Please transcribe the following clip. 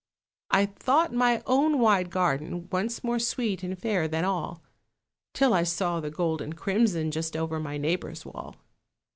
I thought my own wide garden Once more sweet and fair than all, Till I saw the gold and crimson Just over my neighbour's wall.